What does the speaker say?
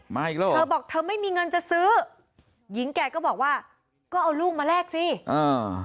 อีกแล้วเหรอเธอบอกเธอไม่มีเงินจะซื้อหญิงแก่ก็บอกว่าก็เอาลูกมาแลกสิอ่า